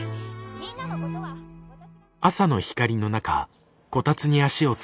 みんなのことは私が」。